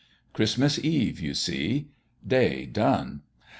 Christmas Eve, you see: Day done.